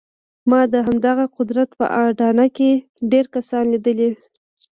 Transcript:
ما د همدغه قدرت په اډانه کې ډېر کسان ليدلي.